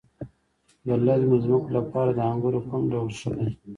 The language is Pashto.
د للمي ځمکو لپاره د انګورو کوم ډول ښه دی؟